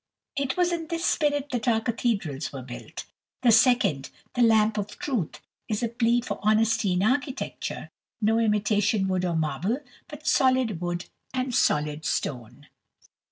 It was in this spirit that our cathedrals were built." The second, the Lamp of Truth, is a plea for honesty in architecture, no imitation wood or marble, but solid wood and solid stone.